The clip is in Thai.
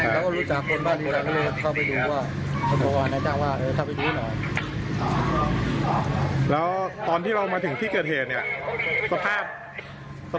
เราก็รู้จักคนบ้านดีเหลงเราก็เลยเข้าไปดูว่า